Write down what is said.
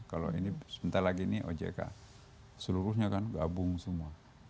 kalau ini sebentar lagi ini ojk seluruhnya kan gabung semua